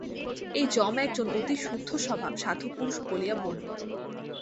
এই যম একজন অতি শুদ্ধস্বভাব সাধুপুরুষ বলিয়া বর্ণিত।